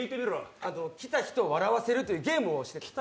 来た人を笑わせるというゲームを。